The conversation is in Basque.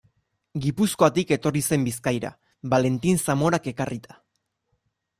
Gipuzkoatik etorri zen Bizkaira, Valentin Zamorak ekarrita.